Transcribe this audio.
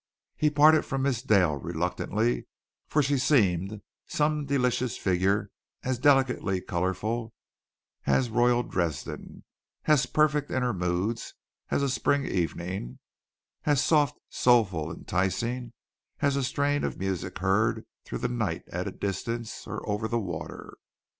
He parted from Miss Dale reluctantly, for she seemed some delicious figure as delicately colorful as Royal Dresden, as perfect in her moods as a spring evening, as soft, soulful, enticing as a strain of music heard through the night at a distance or over the water.